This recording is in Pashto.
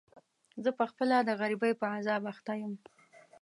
زه په خپله د غريبۍ په عذاب اخته يم.